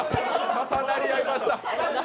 重なり合いました。